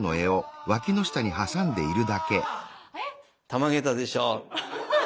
たまげたでしょう？